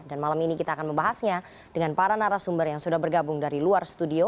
dan malam ini kita akan membahasnya dengan para narasumber yang sudah bergabung dari luar studio